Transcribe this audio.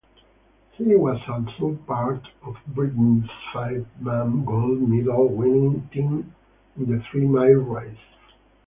He was also part of Britain's five-man gold medal-winning team in the three-mile race.